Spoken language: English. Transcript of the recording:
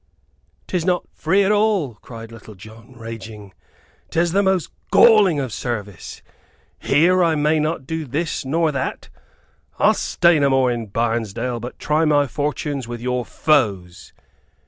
"'Tis not free at all!" cried Little John, raging. "'Tis the most galling of service. Here I may not do this nor that. I'll stay no more in Barnesdale, but try my fortunes with your foes."